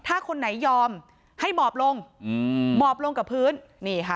ถ้าคนไหนยอมให้หมอบลงอืมหมอบลงกับพื้นนี่ค่ะ